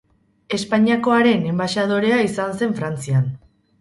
Espainiakoaren enbaxadorea izan zen Frantzian.